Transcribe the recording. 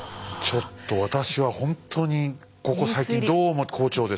ちょっと私は本当にここ最近どうも好調です。